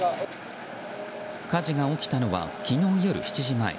火事が起きたのは昨日夜７時前。